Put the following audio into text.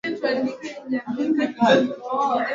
Damu ya yesu imeshinda mauti yote.